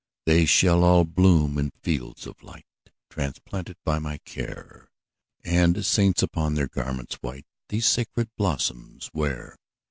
``They shall all bloom in fields of light, Transplanted by my care, And saints, upon their garments white, These sacred blossoms wear.''